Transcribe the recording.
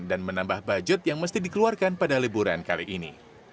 dan menambah budget yang mesti dikeluarkan pada liburan kali ini